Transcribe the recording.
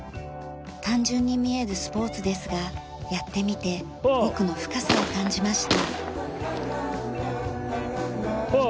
単純に見えるスポーツですがやってみて奥の深さを感じました。